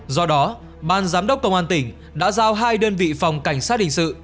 do đó ban giám đốc công an tỉnh đã giao hai đơn vị phòng cảnh sát hình sự